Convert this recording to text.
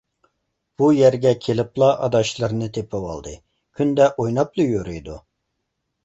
بۇ يەرگە كېلىپلا ئاداشلىرىنى تېپىۋالدى، كۈندە ئويناپلا يۈرىدۇ.